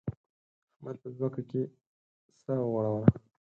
احمد په ځمکه کې سا وغوړوله.